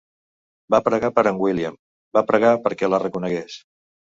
Va pregar per en William, va pregar perquè la reconegués.